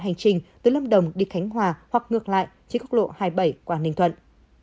hành trình từ lâm đồng đi khánh hòa hoặc ngược lại trên quốc lộ hai mươi bảy qua ninh thuận